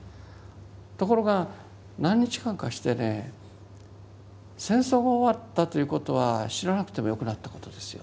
ところが何日間かしてね戦争が終わったということは死ななくてもよくなったことですよね。